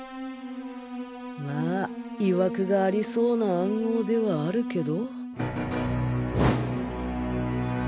まあいわくがありそうな暗号ではあるけど